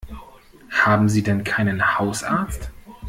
Haben Sie denn keinen Hausarzt?